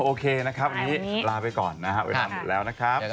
โอเคนะครับวันนี้ลาไปก่อนนะครับเวลาหมดแล้วนะครับ